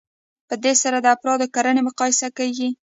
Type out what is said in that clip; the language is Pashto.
په دې سره د افرادو کړنې مقایسه کیږي.